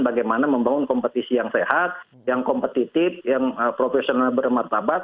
bagaimana membangun kompetisi yang sehat yang kompetitif yang profesional bermartabat